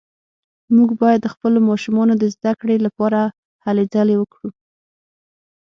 موږ باید د خپلو ماشومانو د زده کړې لپاره هلې ځلې وکړو